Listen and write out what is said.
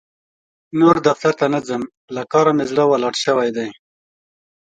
نور دفتر ته نه ځم؛ له کار مې زړه ولاړ شوی دی.